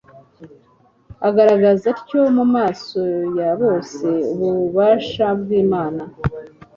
agaragaza atyo mu maso ya bose ububasha bw'imana